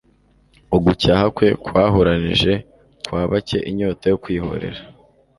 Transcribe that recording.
Ugucyaha kwe kwahuranije, kwabatcye inyota yo kwihorera.